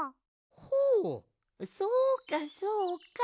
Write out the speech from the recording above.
ほうそうかそうか。